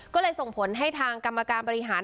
ก็เลยส่งผลให้ทางกรรมการบริหาร